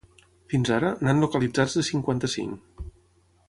Fins ara, n’han localitzats de cinquanta-cinc.